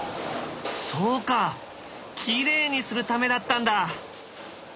そうかきれいにするためだったんだ。